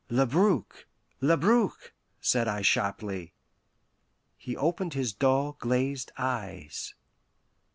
"Labrouk! Labrouk!" said I sharply. He opened his dull, glazed eyes.